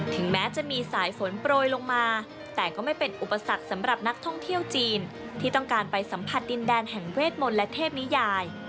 แม้จะมีสายฝนโปรยลงมาแต่ก็ไม่เป็นอุปสรรคสำหรับนักท่องเที่ยวจีนที่ต้องการไปสัมผัสดินแดนแห่งเวทมนต์และเทพนิยาย